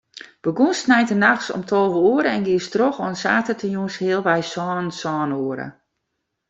Begûnst sneintenachts om tolve oere en giest troch oant saterdeitejûns healwei sânen, sân oere.